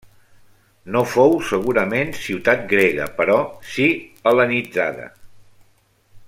No fou segurament ciutat grega però si hel·lenitzada.